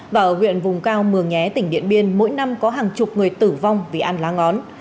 và ở huyện vùng cao mường nhé tỉnh điện biên mỗi năm có hàng chục người tử vong vì ăn lá ngón